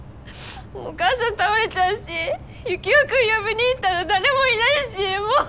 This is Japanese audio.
お母さん倒れちゃうしユキオ君呼びに行ったら誰もいないしもう！